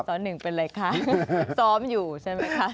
หนึ่งเป็นอะไรคะซ้อมอยู่ใช่ไหมคะ